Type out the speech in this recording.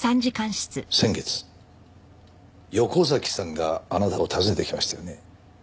先月横崎さんがあなたを訪ねてきましたよね？